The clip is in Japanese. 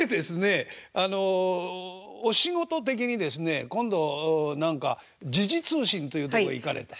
あのお仕事的にですね今度何か時事通信というとこ行かれた。